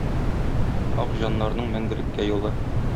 Ак җаннарның мәңгелеккә юлы.